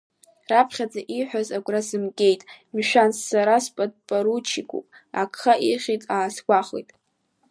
Раԥхьаҵәҟьа ииҳәаз агәра сзымгеит, мшәан сара сподпоручикуп, агха ихьит аасгәахәит.